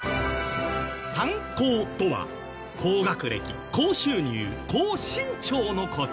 ３高とは高学歴高収入高身長の事。